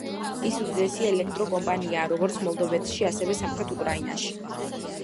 ის უდიდესი ელექტრო კომპანიაა როგორც მოლდოვეთში ასევე სამხრეთ უკრაინაში.